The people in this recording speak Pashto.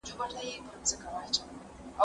زه به سبا د کتابتوننۍ سره خبري کوم،